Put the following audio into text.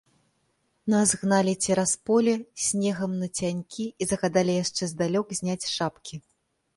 Нас гналі цераз поле, снегам нацянькі і загадалі яшчэ здалёк зняць шапкі.